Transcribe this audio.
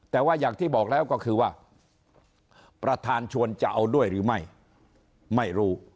แต่ว่าอย่างที่บอกแล้วก็คือว่าประธานชวนจะเอาด้วยหรือไม่ไม่รู้